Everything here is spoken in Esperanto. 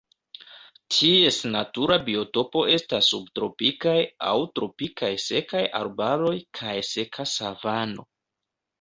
Ties natura biotopo estas subtropikaj aŭ tropikaj sekaj arbaroj kaj seka savano.